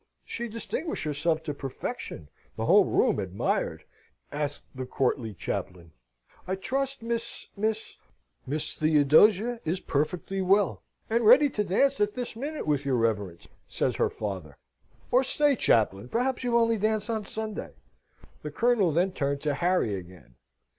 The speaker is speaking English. She distinguished herself to perfection: the whole room admired," asked the courtly chaplain. "I trust Miss Miss " "Miss Theodosia is perfectly well, and ready to dance at this minute with your reverence," says her father. "Or stay, Chaplain, perhaps you only dance on Sunday?" The Colonel then turned to Harry again.